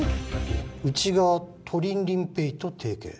うちがトリンリンＰａｙと提携？